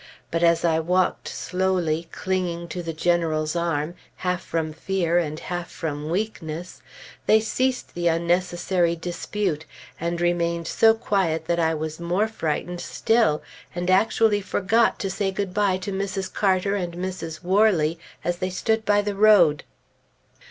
But as I walked slowly, clinging to the General's arm, half from fear, and half from weakness, they ceased the unnecessary dispute, and remained so quiet that I was more frightened still, and actually forgot to say good bye to Mrs. Carter and Mrs. Worley as they stood by the road.